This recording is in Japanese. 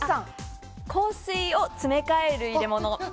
香水を詰め替える入れ物。